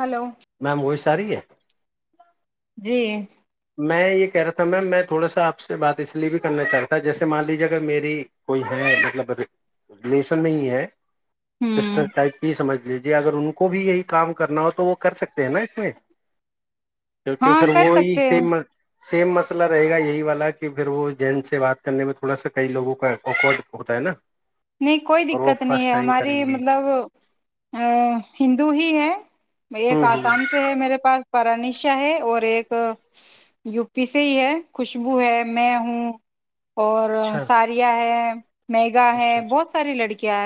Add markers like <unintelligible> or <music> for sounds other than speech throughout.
hello ma'am وہی sorry ہے جی میں یہ کہہ رہا تھا میم میں تھوڑا سا آپ سے بات اس لیے بھی کرنا چاہتا جیسے مان لیجیے اگر میری کوئی ہے مطلب ریلیشن میں ہی ہے ہوں سسٹر ٹایپ کی سمجھ لیجیے اگر ان کو بھی یہی کام کرنا ہو تو وہ کر سکتے ہیں نا اس میں کیونکہ ہاں پھر کر وہی سکتے ہیں سیم <inaudible> سیم مسئلہ رہے گا یہی والا کہ پھر وہ جین سے بات کرنے میں تھوڑا سا کئی لوگوں کا اکڈ ہوتا ہے نا نہیں کوئی اور وہ دقت نہیں فرسٹ ہے ٹائم ہماری کریں گے مطلب ا ہندو ہی ہے ایک ہ ہ آسام سے ہے میرے پاس پرانیش ش ہے اور ایک یو پی سے ہی ہے خوشبو ہے میں ہوں اور اچھا ساریا ہے میگا اچھا ہے اچھا بہت ساری لڑکیاں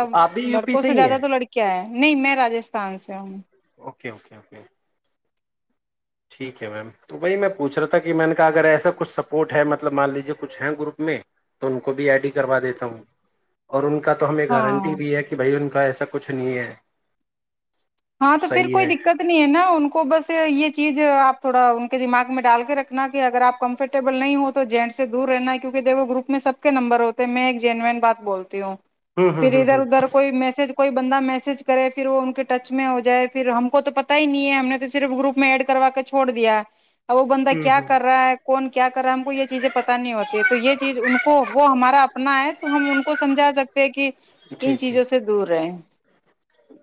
تو آپ بھی یو پی لڑکوں سے ہی زیادہ ہیں تو لڑکیاں ہیں نہیں میں راجستھان سے ہوں اوکے اوکے اوکے ٹھیک ہے میم تو وہی میں پوچھ رہا تھا کہ میں کا اگر ایسا کچھ سپورٹ ہے مطلب مان لیجیے کچھ ہے گروپ میں تو ان کو بھی ایڈ ہی کروا دیتا ہوں اور ان کو کا تو ہمیں گارنٹی ہاں بھی ہے کہ بھائی ان کا ایسا سا کچھ نہیں ہے ہاں تو پھر صحیح کوئی ہے دقت نہیں ہے نا ان کو بس یہ چیز آپ تھوڑا دماغ میں ڈال کے رکھنا اگر آپ کمفرٹیبل نہیں ہو تو جین سے دور رہنا ہے کیوںک دیکھو گروپ میں سب کے نمبر ہوتے میں ایک جینوین بات بولتی ہوں ہوں ہوں پھر ہوں ادھر ادھر کوئی میسج کوئی بندہ میسج کرے پھر وہ ان کے ٹچ میں ہو جائے پھر ہم کو تو پتا ہی نہیں ہے ہم نے تو صرف گروپ میں ایڈ کروا کے چھوڑ دیا اب وہ بندہ ہوں ہوں کیا ہوں کر رہا ہے کون کیا کر رہا ہے ہم کو یہ چیزیں پتہ نہیں ہوتی ہے تو یہ چیز ان کو وہ ہمارا کرنا ہے تو ہم ان کو سمجھا سکتے ہیں کہ <unintelligible> ان چیزوں سے دور رہے ہ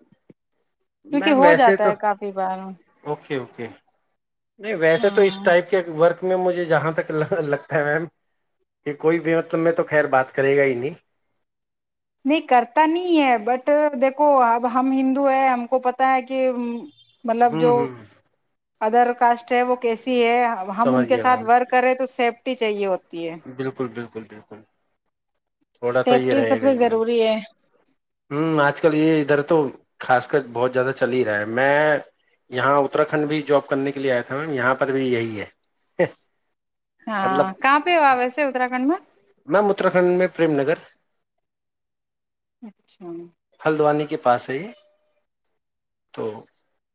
<inaudible> کیونکہ میم ہو ویسے جاتا تو ہے کافی بار اوکے اوکے نہیں ویسے تو اس ہاں ٹائپ کے ورک <unintelligible> مجھے جہاں تک لگتا ہے میم کہ کوئی بھی مطلب میں تو خیر بات کرے گا ہی نہیں <unintelligible> نہیں کرتا نہیں ہے اب بٹ دیکھو اب ہم ہندو ہے ہم کو پتا ہے کہ مطلب ہوں جو ہوں <unintelligible> ادر کاسٹ ہے وہ کسے س ہے ا ہم ان سمجھ کے گیا ساتھ میم ورک کریں تو سیف <unintelligible> ٹی چاہے <unintelligible> بالکل بالکل <unintelligible> بالکل دفر <unintelligible> تھوڑا تو یہ سیفٹی رہے سب گا سے ہی ضروری ہے نا آج کل یہ ادھر تو <unintelligible> ںخاص کر بہت زیادہ چل ہی رہا ہے میں یہا تر کھنڈ بھی جاب کرنے کے لیے آیا تھا مم یہاں پر بھی یہی ہے مطلب بہاں ک <unintelligible> اس اتر کنڈ میں <unintelligible> میم اتراکھنڈ میں پریم نگر <unintelligible> اچھا <unintelligible> ہلدوانی کے پاس ہے ہی تو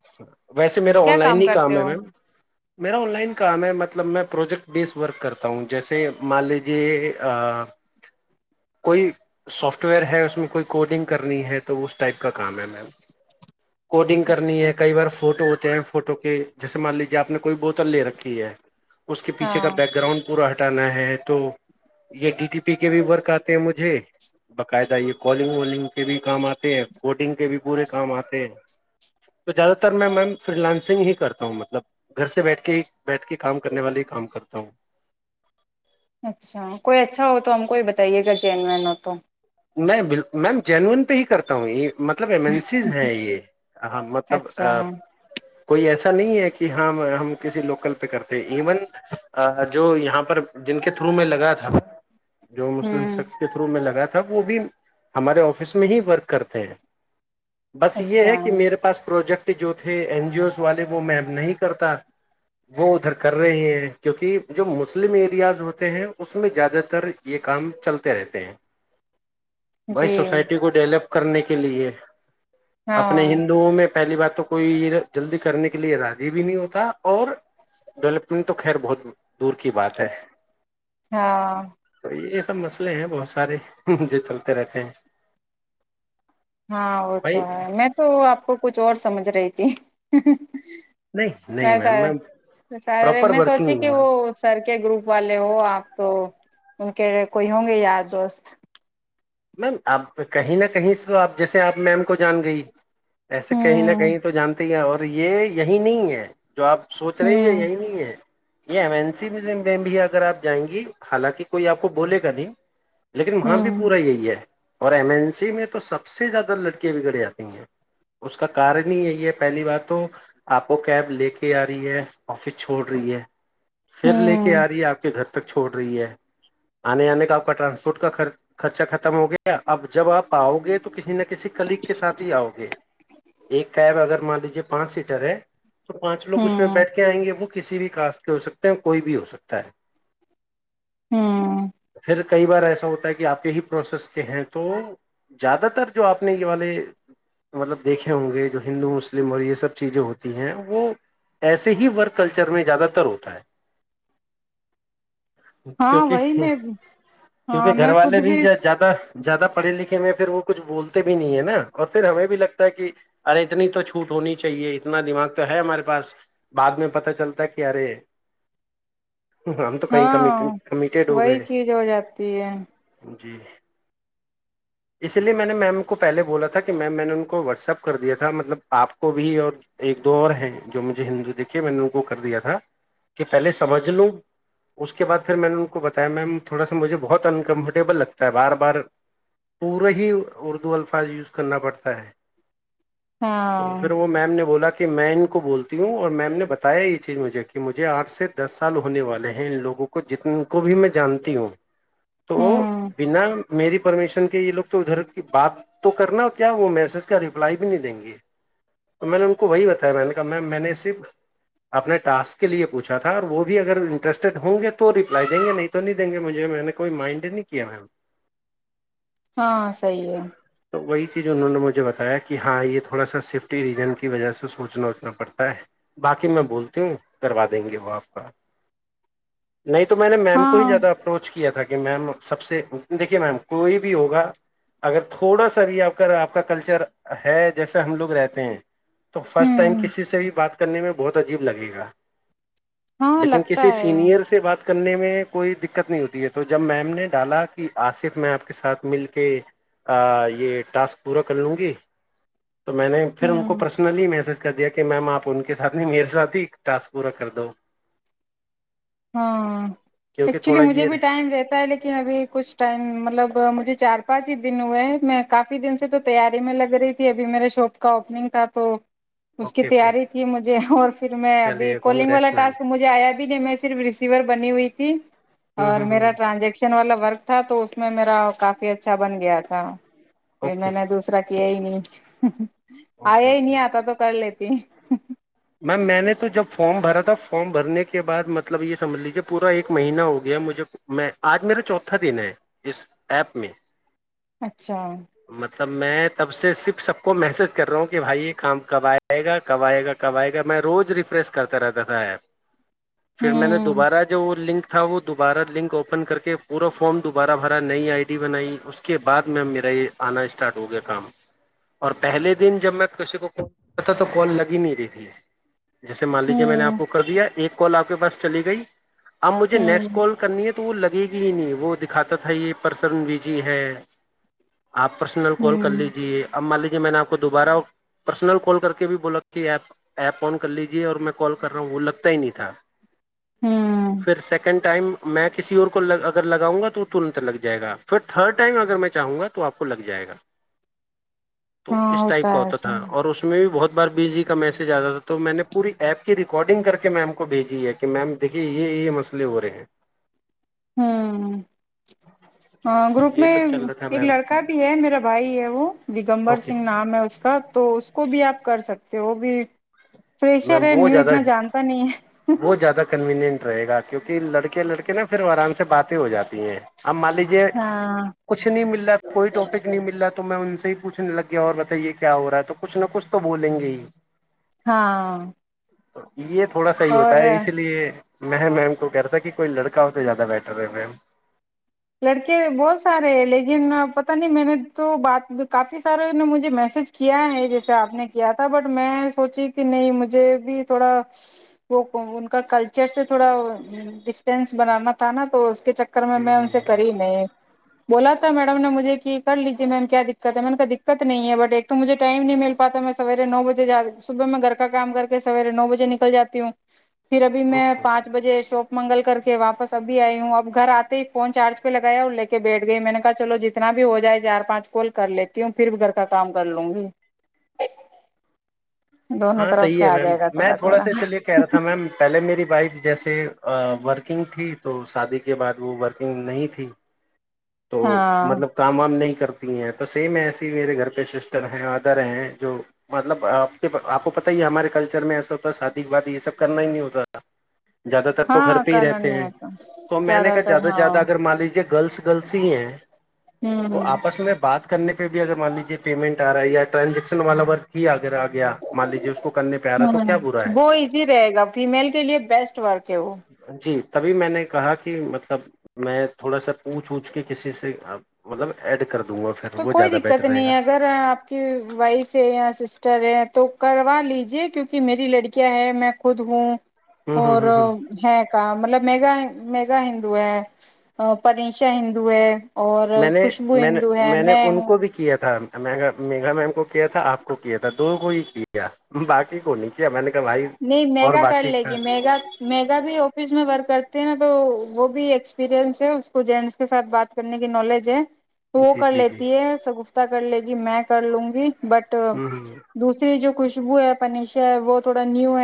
<unintelligible> ویسے میرا آن کیا لائن ہی کرتے کام ہے ہو میم میرا آن لائن کام ہے مطلب میں پروجیکٹ بیس ورک کرتا ہوں جیسے مان لیجیے <unintelligible> کوئی سافٹ ویئر ہے اس میں کوئی کوڈنگ کرنی ہے تو اس ٹائپ کا کام ہے میم <unintelligible> کوڈنگ کرنی اچھا ہے کئی بار فوٹو فوٹو کے جیسے مان لیجیے آپ نے کوئی بوتل لے رکھی ہے اس کے پیچھے کا ہاں بیک گراؤنڈ پورا ہٹ ٹانا ہے تو یہ ڈیٹی پی کے بھی ورک آتے ہیں مجھے باقاعدہ یہ کالنگ والنگ کے بھی کام آتے ہیں کوڈنگ کے بھی پورے کام آتے ہیں تو زیادہ تر میں مم فری لانسنگ ہی کرتا ہوں مطلب گھر سے بیٹھ کے ہی بیٹھ کے کام کرنے والے ہی کام کرتا ہوں <inaudible> <inaudible> اچھا کوئی اچھا ہو تو ہم کو ہی بتائیے گا چن میں ن تو میں ب میم جینون پہ ہی کرتا ہوں یہ مطلب ایمنسیز ہیں یہ ہاں مطلب اچھا کوئی ایسا نہیں ہے کہ ہم ہم کسی لوکل پہ کرتے ایون جو یہاں پر جن کے تھرو میں لگا تھا جو مسلم ہوں سخس کے تھرو میں لگیا تھا تب وہ بھی ہمارے آفس میں ہی ورک کرتے ہیں بس یہ ہے اچھا کہ میرے پاس پروجیکٹ جو تھے این جی اوز والے وہ میم نہیں کرتا وہ ادھر کر رہے ہیں کیونکہ جو مسلم ایریاز ہوتے ہیں اس میں زیادہ تر یہ کام چلتے رہتے ہیں بھائی جی سوسائٹی کو ڈیولپ کرنے کے لیے اپنے ہاں ہندوؤں میں پہلی بات تو کوئی جلدی کرنے کے لیے راضی بھی نہیں ہوتا اور ڈیولپمنٹ تو خیر بہت دور کی بات ہے ہاں تو یہ سب مسئلے ہیں بہت سارے جو چلتے رہتے ہیں ہاں وہ تو بھائی ہے میں تو آپ کو کچھ اور سمجھ رہی تھی نہیں نہیں میم میں وسارے پراپر میں ورکنگ سوچی ہوں کہ میم وہ سر کے گروپ والے ہو آپ تو ان کے کوئی ہوں گے یار دوست میم آپ کہیں نہ کہیں آپ جیسے آپ میم کو جان گئی ایسے کہیں نہ ہوں کہیں تو جانتے ہی اور یہ یہی نہیں ہے جو آپ سوچ رہی ہیں ہوں یہی نہیں ہے یہ ایمین س مزم میں بھی اگر آپ جائیں گی حالانکہ کوئی آپ کو بولے گا نہیں لیکن وہاں بھی ہوں پورا یہی اور ایمرجنسی میں تو سب سے زیادہ لڑکیاں بگڑ جاتی ہیں اس کا کارن ہی یہی ہے پہلی بات تو آپ کو کیب لے کے آ رہی ہے آفس چھوڑ رہی ہے پھر لے کے ہوں آ رہی ہے آپ کے گھر ک چھوڑ رہی ہے آنے آنے کا آپ کا ٹانسپورٹ کا خرچہ خرم ہو گیا اب جب آپ آاؤ گے تو کسی نے کسی کلیگ کے ساتھ ہی آؤ گے ایک کیب اگر مان یے پانچ سیٹر تو پانچ لو اس میں ہوں بیٹھ کے آئیں گے وہ کسی بھی کاسٹ کے ہو سکتے ہیں کوئی بھی ہو سکتا ہے ہوں پھر کئی بار ایسا ہوتا کہ آپ کے ہی پروسیس کے ہیں تو زیادہ تر جو آپ نے یہ والے مطلب دیکھے ہوں گے جو ہندو مسلم اور یہ سب چیزیں ہوتی ہیں وہ ایسے ہی ورک کلچر میں زیادہ تر ہوتا ہے ہاں کیونکہ وہی میں کیونکہ ہاں گھر میں والے خود بھی ج زیادہ پڑھے لکھے میں پھر وہ کچھ بولتے بھی نہیں ہے نا اور پھر ہمیں بھی لگتا ہے کہ ارے اتنی تو چھوٹ ہونی چاہیے اتنا دماغ تو ہے ہمارے پاس بعد میں پت چلتا ہے کہ ارے ہم تو کہیں ہاں کمیٹیڈ ہو وہی گئے چیز ہو جاتی ہے جی اسی لیے میں نے میم کو پہلے بولا تھا کہ میم میں نے ان کو واٹسپ کر دیا تھا مطلب آپ کو بھی اور ایک دو اور ہیں جو مجھے ہندو دیکھے میں نے ان کو کر دیا تھا کہ پہلے سمجھ لوں اس کے بعد پھر میں نے ان کو بتایا میم تھوڑا سا مجھے بہت انکمفرٹیبل لگتا بار بار پورا ہی اردو الفاظ یوز کرنا پڑتا ہے تو ہاں پھر وہ میم نے بولا کہ کہ میں ان کو بولتی ہوں اور میم نے بتایا یہ چیز مجھے کہ مجھے آٹھ سے دس سال ہونے والے ہیں ان لوگوں کو جتن کو بھی میں جانتی ہوں تو ہوں بنا میری پرمیشن کے یہ لوگ تو ادھر کی بات تو کرنا ہو کیا وہ میسج کا رپلائی بھی نہیں دیں گے میں نے ان کو وہی بتایا میں نے کہا م میں نے صرف اپنے ٹسک کے لیے پوچھا تھا اور وہ بھی اگر انٹرسٹیڈ ہوں گے تو رپلائی دیں گے نہیں تو نہیں دیں گے مجھے میں نے کوئی مائنڈ نہیں کیا مم ہاں صی ہے وہی چیز انہوں نے مجھے بتایا کہ ہاں یہ تھوڑا سا سیفٹی ریجن کی وجہ سے سوچنا اوچنا پڑتا ہے باقی میں بولتی ہوں کروا دیں گے وہ آپ کا نہیں تو میں نے میم کو ہی ہاں زیادہ اپروچ کیا تھا ج میم سب سے دیکھیے میم کوئی بھی ہوگا اگر تھوڑا سا بھی آپ کا آپ کا کلچر ہے جیسے ہم لوگ رہتے ہیں تو فرسٹ ٹائم ہوں کسی سے بھی بات کرنے میں بہت عجیب لگے گا ہاں لیکن لگتا کسی ہے سینئر سے بات کر کرنے میں کوئی دقت نہیں ہوتی ہے تو جب میم نے ڈالا کہ آصف میں آپ کے ساتھ مل کے یہ ٹاسک پورا کر لوں گی تو میں نے پھر ان کو ہوں پرسنلی میسج کر دیا کہ میم آپ ان کے ساتھ نہیں میرے ساتھ ہی ٹسک پورا کر دو ہاں کیونکہ ایکچولی تھوڑا مجھے یہ بھی ٹائم رہتا ہے لیکن ابھی کچھ ٹائم مطلب مجھے چار پانچ ہی دن ہوئے ہیں میں کافی دن سے تو تیاری میں لگ رہی تھی ابھی میرے شاپ کا اوپنگ تھا تو اس کی اوکے اوکے تیاری تھی مجھے اور پھر میں ابھی چلیے کالنگ والا کانگریس میم ٹسک مجھے آیا بھی نہیں میں رسیور بنی ہوئی تھی ہ اور ہ میرا ٹرانزیکشن والا بر تھا تو اس میں میرا کافی اچھا بن گیا تھا پھر میں اوکے نے دوسرا کیا ہی نہیں اوکے آیا ہی اوکے نہیں آتا تو کر لیتی میم میں نے تو جب فارم بھرا تھا فارم بھرنے کے بعد مطلب یہ سمجھ لیجیے پورا ایک مہینہ ہو گیا مجھے میں آج میرا چوتھا دن ہے اس ایپ میں اچھا سب میں تب سے صرف سب کو میسج کر رہا ہوں کہ بھائی یہ کام کب آئے گا کب آئے گا کئے گا میں روز ریفریش کرتا رہتا تھا پھر میں نے ہوں دوبارہ جو وہ لنک تھا وہ دوبارہ لنک اوپن کر کے پورا فارم دوبارہ بھرا نئی آئی ڈی بنائی اس کے بعد میں میرا یہ آنا اسٹارٹ ہو گیا کام اور پہلے دن جب میں کسی کو کال کرتا تھا تو کال لگی نہیں رہی جی جیسے مان لیجیے میں نے آپ کو کر دیا ایک کال آپ کے پاس چلی گئی اب مجھے نیکسٹ ہوں کال کرنی ہے تو تو لگے گی ہی نہیں وہ دکھاتا تھا یہ پرسن بی جی ہے آپ پرسنل کال کر ہوں لیجیے اب مالک جی میں نے آپ کو دوبارہ پرسنل کال کر کے بھی بولا کی ایپ ایپ آن کر لیجے اور میں کال کر رہا ہوں وہ لگتا ہی نہیں تھا ہوں پھر سیکنڈ ٹائم میں کسی اور کو اگر لگؤں گا تو ترنت لگ جائے گا پھر تھرڈ ٹائم اگر میں چاہوں گا تو آپ کو لگ جائے گا تو ہاں اس ٹائپ کا ہے ہوتا تھا ایسا اور اس میں بھی بہت بار بیز کا میس زیادہ تھا تو میں نے پوری ایپ کی ریکارڈنگ کر کے میم کو بھیجی ہے کہ میم دیکھیے یہ یہ مسئلے ہو رہے ہیں ہوں ہ تو گروپ یہ میں سب چل رہا تھا ایک میم لڑکا بھی ہے میرا بھائی ہے وہ دگمبر اوکے سنگھ نام ہے اس کا تو اس کو بھی آپ کر سکتے تو وہ بھی فریشر میم ہے وہت نیو زیادہ اتنا جانتا نہیں ہے بہت زیادہ کنویننٹ رہے گا کیونکہ لڑکے لڑکے نا پھر آرام سے باتیں ہو جاتی ہیں اب مان لیجیے ہاں کچھ نہیں مل رہ کوئی ٹاپک نہیں مل رہا تو میں ان سے پوچھنے لگے اور بتائیے کیا ہو رہا ہے تو کچ نہ کچھ تو بولیں گے ہی ہاں تو یہ تھوڑا سحیح ہوتا اور ہے اس لیے میں میم کو کہ رہتا کہ کوئی لڑکا ہو زیادہ بیہٹر ہے فم لڑکے بہت سارے ہیں لیکن پت نہیں میں نے تو بات کافی سارے نے مجھے میسج کیا ہے جیسے آپ نے کیا تھا بٹ میں سوچی کہ نہیں مجھے بھی تھوڑا وہ ان کا کلچر سے تھوڑا ڈسٹینس بنانا تھا نا تو چکر میں ان سے نہیں بولا تھا میڈم نے مجھے کہ کر لیجے میم کیا دقت ہے م کا دقت نہیں ہے بٹ ایک تو مجھے ٹائم نہیں مل پاتا میں سویرے نو بجے صبح میں گھر کا کام کر کے سویرے نو بجے نکل جاتی ہوں پھر ابھی میں اوکے پانچ بجے شاپ منگل کر کے واپس ابھی آئی ہوں اب گھر آتے ہی فون چارج پہ لگایا اور لے کے بیٹھ گئی میں نے کہا چلو جتنا بھی ہو جائے چار پانچ کال کر لیتی ہوں پھر گھر کا کام کرلوں گی دونوں ہاں طرف صحیح سے ہے آ جائے گا تھوڑا تھوڑا میم ورکنگ تھی تو شادی کے بعد وہ ورکنگ نہیں تھی تو ہاں مطلب کام وام نہیں کرت تو سیم ایسے میرے گھر پہ سسٹر ہیں مدر ہیں جو مطلب آپ کے آپ کو پتا ہی ہے ہمارے کلچر میں ایسا ہوتا ہے شادی کے بعد یہ سب کرنا ہی نہیں ہوتا زیادہ تر تو گھر ہاں پہ ہی کرنا رہتے نہیں ہیں آتا تو میں نے کہا تر زیادہ سے ہاں زیادہ ہوں اگر مان لیجیے گرلس گرلس ہی ہیں تو آپس میں بات کرنے پہ بھی اگر مان لیجیے پیمنٹ آ رہا ہے یا ٹرانزیکشن والا ور آ رہا ہے تو کیا برا ہے وہ ایزی رہے گا فیمیل کے لیے بیسٹ ورک ہے وہ جی تبھی میں نے کہا کہ مطلب میں تھوڑا سا پوچھ ووچھ کے کسی سے مطلب ایڈ کر دوں گا پھر تو وہ کوئی زیادہ بیٹر دقت رہے نہیں گا ہے اگر آپ کی وائف ہے یا سسٹ رے تو کروا لیجے کیونکہ میری لڑکیاں ہے میں خود ہوں ہوں ہوں اور ہوں ہوں ہے کام مطلب میگا میگا ہندو ہے پرینشا ہندو ہے اور میں نے خوشبو میں نے ہندو ہے میں نے ان ہوں کو بھی کیا تھا میگا میگا میم کو کو کیا تھا آپ کو کیا تھا دو کو ہی کی کیا باقی کو نہیں کیا میں نے کہا بھائی نہیں اور میگا کر باقی لے کا گی میگا میگا بھی آفس میں ورک کرتی ہے نا تو وہ بھی ایکسپیرئنس ہے اس کو جینٹس کے ساتھ بات کرنے کی نالج ہے تو وہ جی جی جی کرلیتی ہے شگفتا کرلے گی میں کرلوں گی بٹ ہ ہ دوسری جو خوش خوشبو ہے پنیشا ہے وہ تھو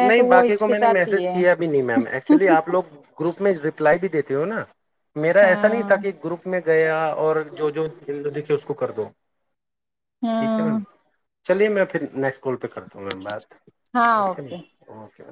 نہیں باقی کو میں نے میسج کیا بھی نہیں میم ایکچولی آپ لوگ گروپ میں ریپلائی بھی دیتے تے ہونا میرا ایسا نہیں تھا ہاں کہ گروپ میں گیا اور جو جو دیکھے اس کو کردو ٹھیک ہے میم ہوں چلیے میں پھر نیکسٹ کال پہ کر تا ہوں میں بات اوکے اوکے